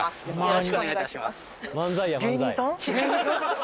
よろしくお願いします